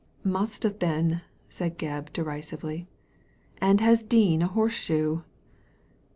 Must have been," said Gebb, derisively. "And has Dean a horseshoe